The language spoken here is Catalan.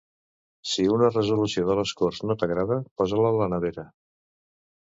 Si una resolució de les Corts no t'agrada, posa-la a la nevera.